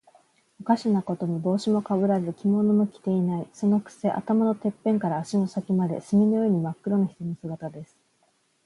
おかしなことには、帽子もかぶらず、着物も着ていない。そのくせ、頭のてっぺんから足の先まで、墨のようにまっ黒な人の姿です。